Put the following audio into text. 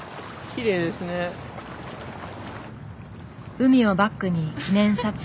海をバックに記念撮影。